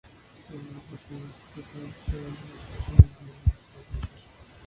Además de cuidar del jardín, se decía que obtenían gran placer al cantar.